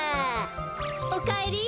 おかえり。